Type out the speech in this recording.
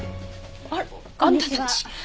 あらあんたたち。